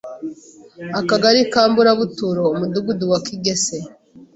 Akagari ka Mburabuturo, Umudugudu wa Kigese,